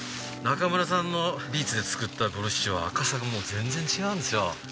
中村さんのビーツで作ったボルシチは赤さがもう全然違うんですよ。